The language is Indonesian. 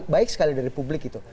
baik sekali dari publik gitu